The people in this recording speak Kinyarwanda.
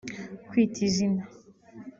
Kwita izina